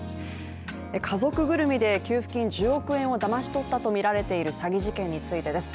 家族ぐるみで給付金１０億円をだまし取ったとみられている詐欺事件についてです。